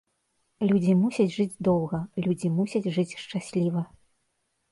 Людзі мусяць жыць доўга, людзі мусяць жыць шчасліва.